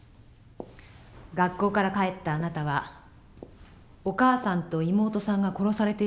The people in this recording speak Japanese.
学校から帰ったあなたはお母さんと妹さんが殺されているところを目撃した。